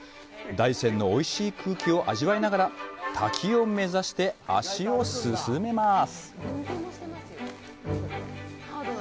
大山のおいしい空気を味わいながら、滝を目指して足を進めます。